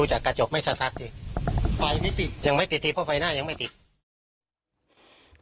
ยังไม่ติดทีเพราะไฟหน้ายังไม่ติด